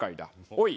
おい！